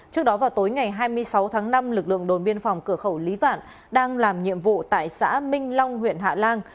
trước đó vào tối ngày hai mươi sáu tháng năm lực lượng đồn biên phòng cửa khẩu lý vạn đang làm nhiệm vụ tại xã minh long huyện hạ lan